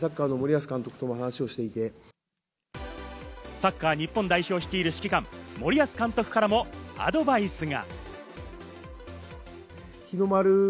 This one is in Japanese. サッカー日本代表を率いる指揮官・森保一監督からもアドバイスが。